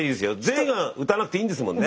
全員が歌わなくていいんですもんね。